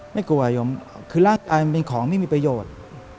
ไม่กลัวยมคือร่างกายมันเป็นของไม่มีประโยชน์